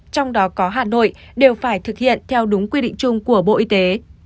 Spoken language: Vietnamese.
trong đó có hà nội đều phải thực hiện theo đúng quy định chung của bộ y tế